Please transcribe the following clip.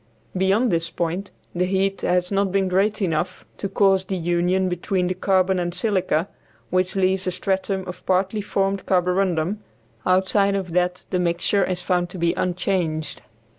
Beyond this point the heat has not been great enough to cause the union between the carbon and silica, which leaves a stratum of partly formed carborundum; outside of that the mixture is found to be unchanged.